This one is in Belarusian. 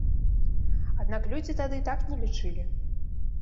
Аднак людзі тады так не лічылі.